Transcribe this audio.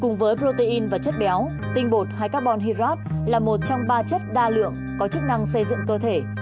cùng với protein và chất béo tinh bột hay carbon hydrab là một trong ba chất đa lượng có chức năng xây dựng cơ thể